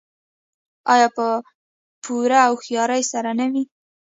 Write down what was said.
آیا په پوره هوښیارۍ سره نه وي؟